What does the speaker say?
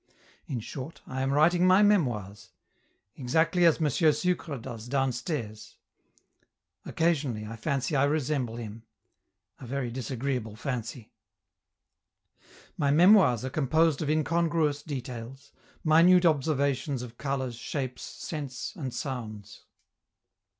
In short, I am writing my memoirs, exactly as M. Sucre does downstairs! Occasionally I fancy I resemble him a very disagreeable fancy. My memoirs are composed of incongruous details, minute observations of colors, shapes, scents, and sounds.